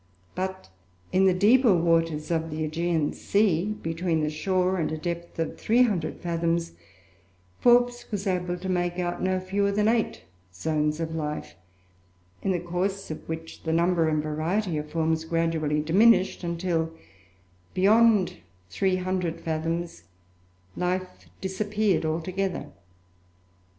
But, in the deeper waters of the Aegean Sea, between the shore and a depth of 300 fathoms, Forbes was able to make out no fewer than eight zones of life, in the course of which the number and variety of forms gradually diminished until, beyond 300 fathoms, life disappeared altogether.